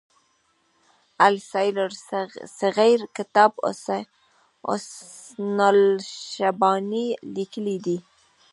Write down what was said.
السير الصغير کتاب حسن الشيباني ليکی دی.